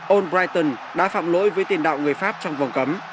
one brighton đã phạm lỗi với tiền đạo người pháp trong vòng cấm